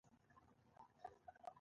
تنور د لرو پرتو سیمو اړتیا ده